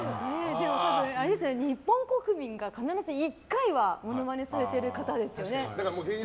多分、日本国民が必ず１回はモノマネされてる方ですよね。